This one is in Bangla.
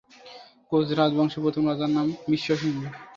কোচ রাজবংশের প্রথম রাজার নাম বিশ্ব সিংহ।